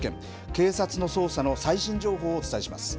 警察の捜査の最新情報をお伝えします。